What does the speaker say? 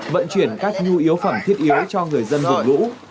vận chuyển các nhu yếu phẩm thiết yếu cho người dân dùng